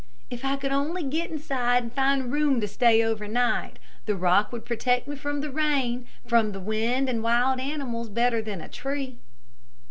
"If I could only get inside and find room to stay over night. The rock would protect me from rain, from the wind and wild animals better than a tree."